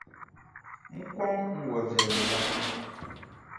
N kɔŋ n wɔʼ viɛlli la.